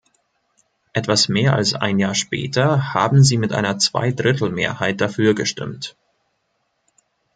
Etwas mehr als ein Jahr später haben sie mit einer Zweidrittelmehrheit dafür gestimmt.